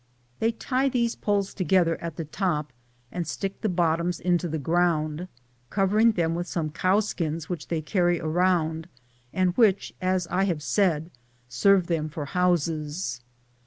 They tie these poles together at the top and stick the bottoms into the ground, covering them with some cowskins which they carry around, and which, as I have said, serve them for houses.